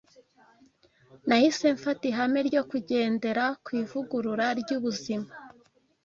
Nahise mfata ihame ryo kugendera ku ivugurura ry’ubuzima